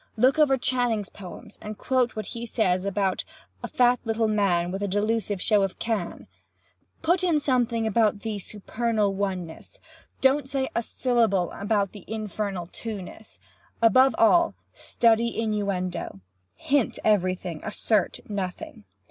Look over Channing's poems and quote what he says about a 'fat little man with a delusive show of Can.' Put in something about the Supernal Oneness. Don't say a syllable about the Infernal Twoness. Above all, study innuendo. Hint everything—assert nothing.